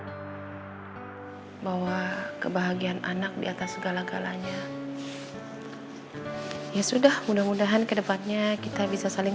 hai bahwa kebahagiaan anak di atas segala galanya ya sudah mudah mudahan kedepannya kita bisa saling